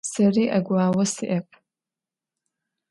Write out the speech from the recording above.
Seri 'eguao si'ep.